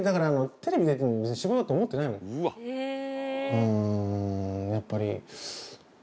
うんやっぱり。